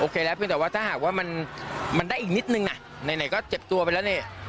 เพียงแต่ว่าถ้าหากว่ามันมันได้อีกนิดนึงในนั้นก็เจ็บตัวไปแล้ว